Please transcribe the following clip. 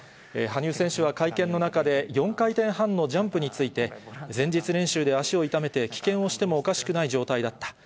羽生選手は会見の中で、４回転半のジャンプについて、前日練習で足を痛めて棄権をしてもおかしくない状態だった。